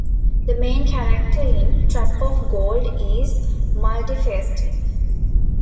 The main character in "Trap of Gold" is multi-faceted.